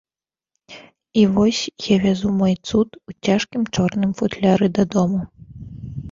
І вось я вязу мой цуд у цяжкім чорным футляры дадому.